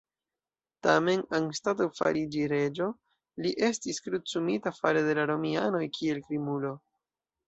Tamen, anstataŭ fariĝi reĝo, li estis krucumita fare de la romianoj kiel krimulo.